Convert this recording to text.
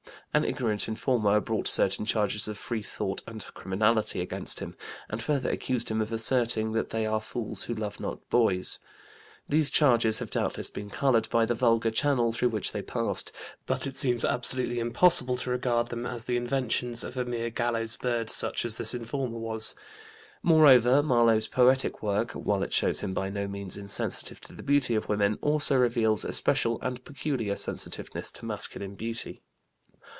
An ignorant informer brought certain charges of freethought and criminality against him, and further accused him of asserting that they are fools who love not boys. These charges have doubtless been colored by the vulgar channel through which they passed, but it seems absolutely impossible to regard them as the inventions of a mere gallows bird such as this informer was. Moreover, Marlowe's poetic work, while it shows him by no means insensitive to the beauty of women, also reveals a special and peculiar sensitiveness to masculine beauty.